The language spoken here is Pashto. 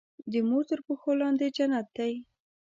د مور تر پښو لاندې جنت دی.